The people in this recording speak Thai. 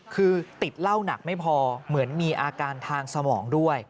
คือติดเหล้าหนักไม่พอเหมือนมีอาการทางสมองด้วย